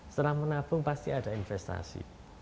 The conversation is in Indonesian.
setelah menabung pasti ada investasi